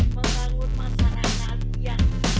melanggar masyarakat yang